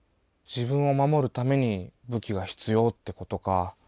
自分を守るために武器が必要ってことか。